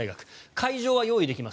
会場は用意できます。